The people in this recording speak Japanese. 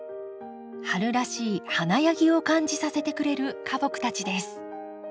春らしい華やぎを感じさせてくれる花木たちです。